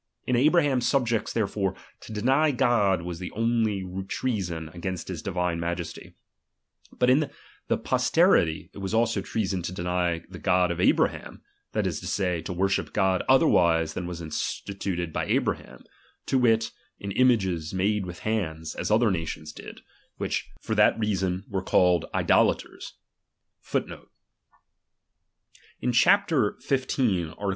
In Abraham's subjects therefore, to deny God was the only trea son against the divine Majesty ; but in their pos terity, it was also treason to deny the God of Abra ham, that is to say, to worship God otherwise than was instituted by Abraham, to wit, in images made with hands,* as other nations did ; which » In images made uilh hands.'^ lo chap. xv. art.